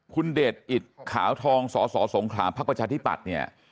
คุณเดชอิตขาวทองสสสงขลาภักดิ์ประชาธิปัตย์เนี่ย